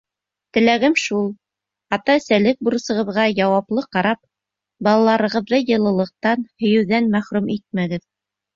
Теләгем шул: ата-әсәлек бурысығыҙға яуаплы ҡарап, балаларығыҙҙы йылылыҡтан, һөйөүҙән мәхрүм итмәгеҙ.